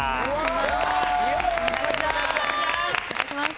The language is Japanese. お願いします。